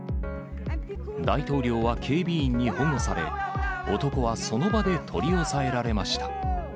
大統領は警備員に保護され、男はその場で取り押さえられました。